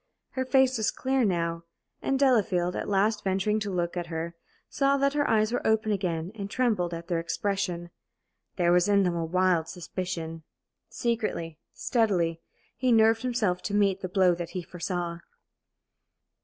Her face was clear now; and Delafield, at last venturing to look at her, saw that her eyes were open again, and trembled at their expression. There was in them a wild suspicion. Secretly, steadily, he nerved himself to meet the blow that he foresaw.